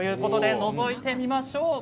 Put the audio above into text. のぞいてみましょう。